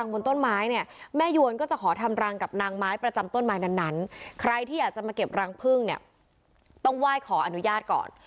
นางไม้ประจำต้นไม้นั้นใครที่อยากจะมาเก็บรังพึ่งเนี่ยต้องไหว้ขออนุญาตก่อน